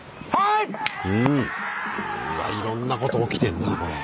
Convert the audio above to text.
いろんなこと起きてんなこれ。